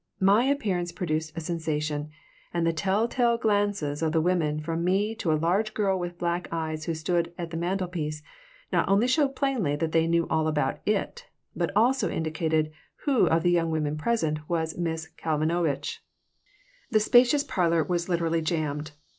My appearance produced a sensation, and the telltale glances of the women from me to a large girl with black eyes who stood at the mantelpiece not only showed plainly that they knew all about "it," but also indicated who of the young women present was Miss Kalmanovitch The spacious parlor was literally jammed.